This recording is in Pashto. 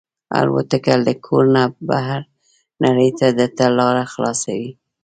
الوتکه له کور نه بهر نړۍ ته درته لاره خلاصوي.